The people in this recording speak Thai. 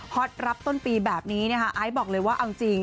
รับต้นปีแบบนี้นะคะไอซ์บอกเลยว่าเอาจริง